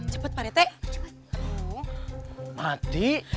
cepet pak rt